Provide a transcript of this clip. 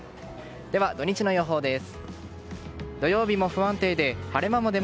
では、土日の予報です。